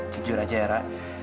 jujur aja ara